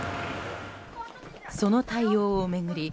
その対応を巡り